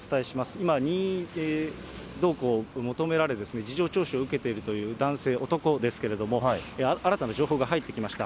今、任意同行を求められ、事情聴取を受けているという男性、男ですけれども、新たな情報が入ってきました。